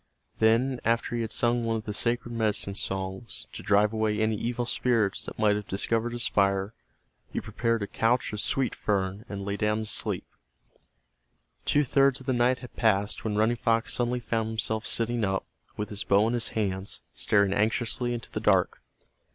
Then, after he had sung one of the sacred medicine songs to drive away any evil spirits that might have discovered his fire, he prepared a couch of sweet fern and lay down to sleep. Two thirds of the night had passed when Running Fox suddenly found himself sitting up, with his bow in his hands, staring anxiously into the dark.